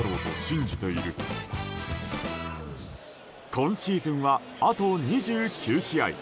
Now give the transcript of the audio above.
今シーズンは、あと２９試合。